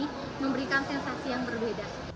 ini memberikan sensasi yang berbeda